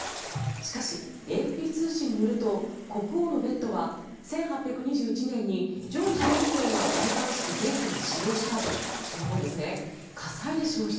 しかし、ＡＦＰ通信によると国王のベッドは１８２１年にジョージ４世が戴冠式前夜に使用したあとその後、火災で焼失。